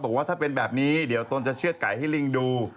บอกว่าข้อความแบบนี้เดี๋ยวต้นจะเชืชไก่ให้ลิงค์ดู